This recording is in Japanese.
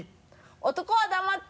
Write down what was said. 男は黙って。